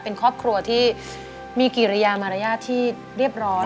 เป็นครอบครัวที่มีกิริยามารยาทที่เรียบร้อย